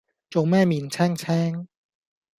做乜面青青